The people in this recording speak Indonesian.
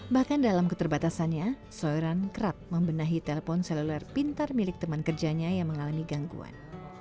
bahkan dalam keterbatasannya soiran kerap membenahi telpon seluler pintar milik teman kerjanya yang mengalami gangguan